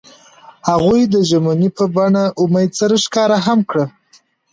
هغوی د ژمنې په بڼه امید سره ښکاره هم کړه.